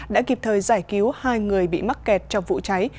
đã kịp thời giải cứu hai người bị mắc kẹt trong vụ cháy